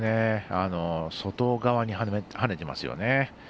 外側にはねてますよね。